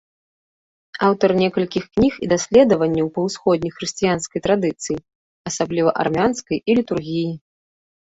Аўтар некалькіх кніг і даследаванняў па ўсходняй хрысціянскай традыцыі, асабліва армянскай, і літургіі.